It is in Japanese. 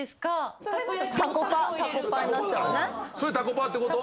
それタコパってこと？